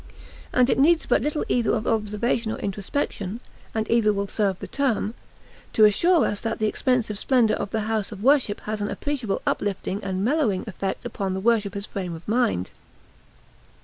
And it needs but little either of observation or introspection and either will serve the turn to assure us that the expensive splendor of the house of worship has an appreciable uplifting and mellowing effect upon the worshipper's frame of mind.